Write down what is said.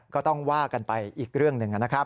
ก็ต้องว่ากันไปอีกเรื่องหนึ่งนะครับ